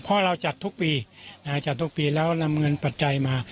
เพราะเราจัดทุกปีจัดทุกปีแล้วนำเงินปัจจัยมา